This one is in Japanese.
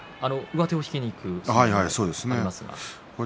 上手を引きにいくことが多いですが。